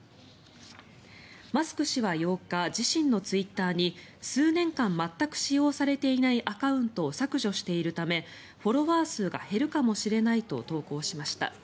マスク氏は８日自身のツイッターに数年間全く使用されていないアカウントを削除しているためフォロワー数が減るかもしれないと投稿しました。